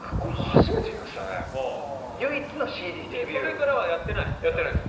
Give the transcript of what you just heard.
それからはやってない？